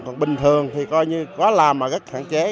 còn bình thường thì coi như có làm mà rất hạn chế